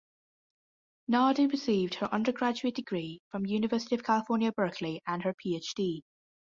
Nardi received her undergraduate degree from University of California at Berkeley and her PhD.